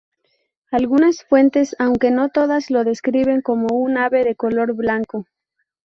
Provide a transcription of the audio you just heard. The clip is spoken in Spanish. Algunas fuentes, aunque no todas, lo describen como un ave de color blanco.